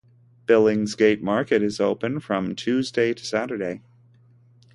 Billingsgate Market is open from Tuesday to Saturday.